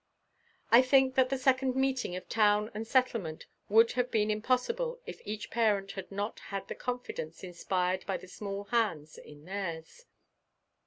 I think that the second meeting of Town and Settlement would have been impossible if each parent had not had the confidence inspired by the small hands in theirs.